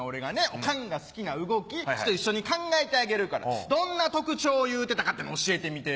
おかんが好きな動き一緒に考えてあげるからどんな特徴を言うてたかってのを教えてみてよ。